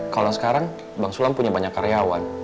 kalau sekarang bang sulam punya banyak karyawan